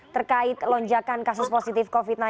terkait lonjakan kasus positif covid sembilan belas